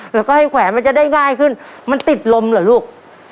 แล้วก็ให้แขวนมันจะได้ง่ายขึ้นมันติดลมเหรอลูก